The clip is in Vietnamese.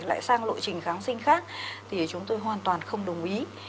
lại sang lộ trình kháng sinh khác thì chúng tôi hoàn toàn không đồng ý